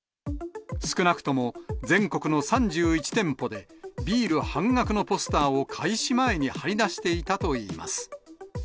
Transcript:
少なくとも全国の３１店舗で、ビール半額のポスターを開始前に貼りだしていたといいます。